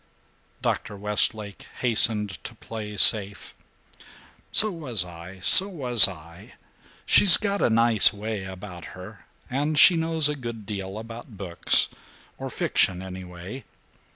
Dr. Westlake hastened to play safe. "So was I! So was I! She's got a nice way about her, and she knows a good deal about books, or fiction anyway.